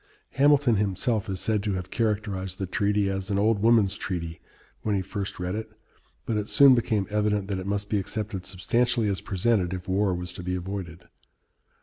Hamilton himself is said to have characterized the treaty as "an old woman's treaty," when he first read it, but it soon became evident that it must be accepted substantially as presented, if war was to be avoided.